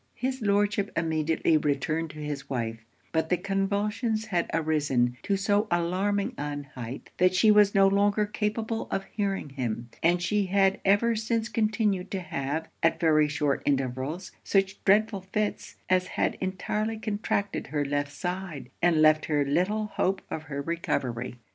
His Lordship immediately returned to his wife; but the convulsions had arisen to so alarming an height, that she was no longer capable of hearing him; and she had ever since continued to have, at very short intervals, such dreadful fits, as had entirely contracted her left side, and left very little hope of her recovery.